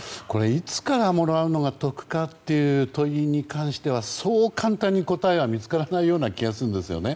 いつからもらうのが得かという問いに関してはそう簡単に答えは見つからない気がするんですよね。